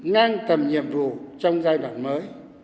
năng tầm nhiệm vụ trong giai đoạn mới